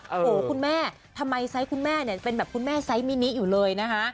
โอ้โหคุณแม่ทำไมไซส์คุณแม่เนี่ยเป็นแบบคุณแม่ไซส์มินิอยู่เลยนะคะ